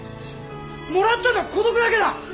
もらったのは孤独だけだ！